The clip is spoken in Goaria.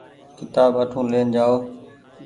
ڪيتآب اٺو لين جآئو۔